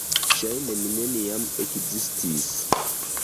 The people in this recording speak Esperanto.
Ŝajne mi neniam ekzistis.